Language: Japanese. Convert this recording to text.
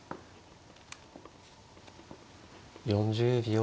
４０秒。